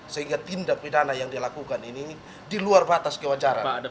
sehingga tindak pidana yang dilakukan ini di luar batas kewajaran